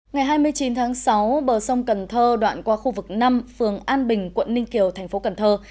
ngày hai mươi chín tháng sáu bờ sông cần thơ đoạn qua khu vực năm phường an bình quận ninh kiều thành phố cần thơ